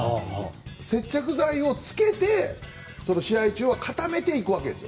接着剤をつけて試合中は固めていくわけです。